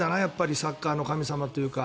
サッカーの神様というか。